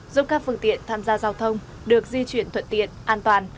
giúp các phương tiện tham gia giao thông được di chuyển thuận tiện an toàn